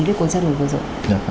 viết cuốn sách này vừa rồi